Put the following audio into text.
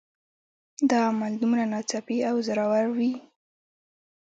دا عمل دومره ناڅاپي او زوراور وي